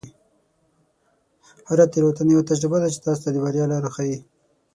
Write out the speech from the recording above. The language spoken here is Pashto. هره تیروتنه یوه تجربه ده چې تاسو ته د بریا لاره ښیي.